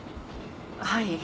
はい。